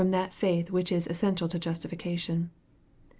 that faith which is essential to justification.